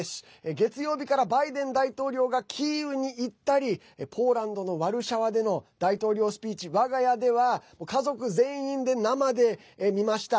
月曜日からバイデン大統領がキーウに行ったりポーランドのワルシャワでの大統領スピーチ我が家では家族全員で生で見ました。